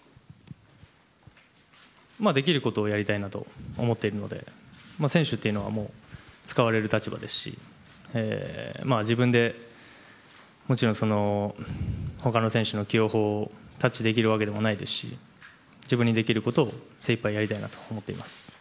できることをやりたいなと思っているので選手っていうのは使われる立場ですし自分で他の選手の起用法にタッチできるわけじゃないですし自分にできることを精いっぱいやりたいなと思っています。